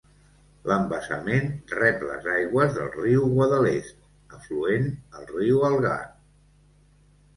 L'embassament rep les aigües del riu Guadalest, afluent el riu Algar.